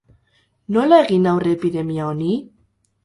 Nola egin aurre epidemia honi?